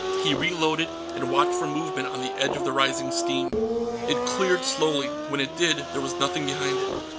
He reloaded, and watched for movements on the edge of the rising steam. It cleared, slowly; when it did, there was nothing behind it.